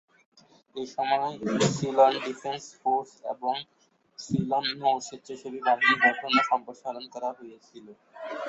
এসময় Ceylon defence force এবং সিলন নৌ স্বেচ্ছাসেবী বাহিনী গঠন ও সম্প্রসারণ করা হয়েছিলো।